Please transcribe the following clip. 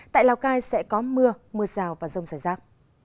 tại lào cai sẽ có mưa mưa rào và rông rải rác